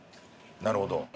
なるほど。